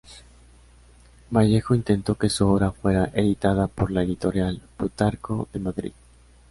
Vallejo intentó que su obra fuera editada por la Editorial Plutarco, de Madrid.